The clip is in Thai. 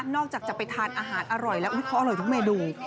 จะไปทานอาหารอร่อยแล้วเขาอร่อยทุกเมนู